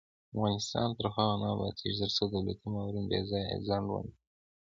افغانستان تر هغو نه ابادیږي، ترڅو دولتي مامورین بې ځایه ځنډ ونه کړي.